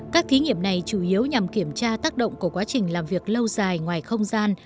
các thí nghiệm này chủ yếu nhằm kiểm tra tác động của quá trình làm việc lâu dài ngoài không gian